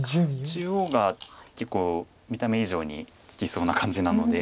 中央が結構見た目以上につきそうな感じなので。